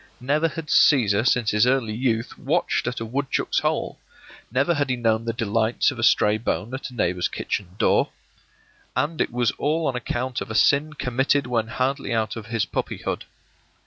Never had Cæsar since his early youth watched at a woodchuck's hole; never had he known the delights of a stray bone at a neighbor's kitchen door. And it was all on account of a sin committed when hardly out of his puppyhood.